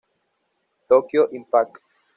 Tokyo Impact!